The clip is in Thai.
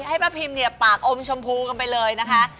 ให้ป้าพิมเนี่ยปากอมชมพูกันไปเลยนะคะ